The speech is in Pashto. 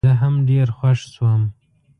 زه هم ډېر خوښ شوم.